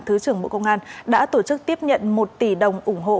thứ trưởng bộ công an đã tổ chức tiếp nhận một tỷ đồng ủng hộ